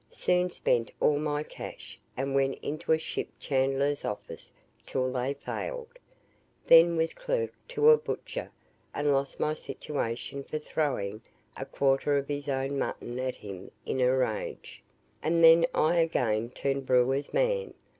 Soon spent all my cash, and went into a ship chandler's office till they failed; then was clerk to a butcher, and lost my situation for throwing a quarter of his own mutton at him in a rage; and then I again turned brewer's man.